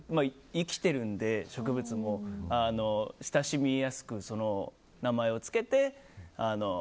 生きてるので、植物も親しみやすく、名前を付けて。